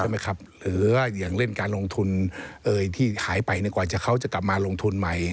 หรือว่าอย่างเล่นการลงทุนที่หายไปกว่าเขาจะกลับมาลงทุนใหม่